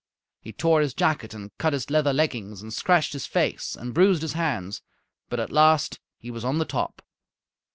He tore his jacket and cut his leather leggings and scratched his face and bruised his hands, but at last he was on the top.